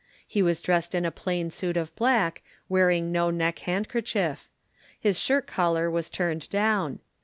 He was dressed in a plain suit of black, wearing no neck hankerchief. His shirt collar was turned down.